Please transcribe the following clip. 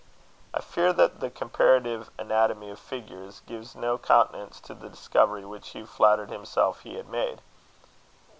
I fear the comparative anatomy of figures gives no countenance to the discovery which Hugh flattered himself he had made.